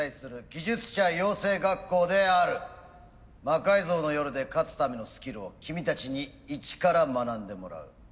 「魔改造の夜」で勝つためのスキルを君たちに一から学んでもらう。